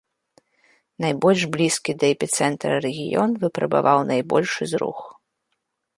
Найбольш блізкі да эпіцэнтра рэгіён выпрабаваў найбольшы зрух.